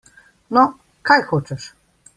No, kaj hočeš?